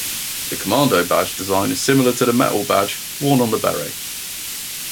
The commando badge's design is similar to the metal badge worn on the beret.